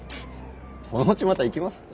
そのうちまた行きますって。